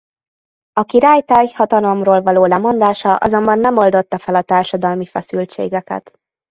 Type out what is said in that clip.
A király teljhatalomról való lemondása azonban nem oldotta fel a társadalmi feszültségeket.